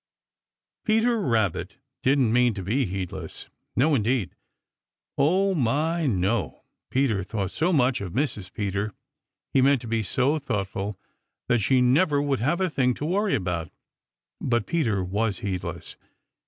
Peter Rabbit didn't mean to be heedless. No, indeed! Oh, my, no! Peter thought so much of Mrs. Peter, he meant to be so thoughtful that she never would have a thing to worry about. But Peter was heedless.